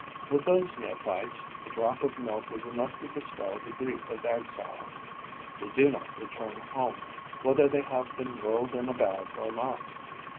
With those neophytes, a drop of milk is enough to dispel the grief of exile. They do not return home, whether they have been whirled in a bag or not.